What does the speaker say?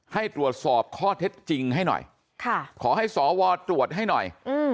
ให้ตรวจสอบข้อเท็จจริงให้หน่อยขอให้สวตรวจให้หน่อย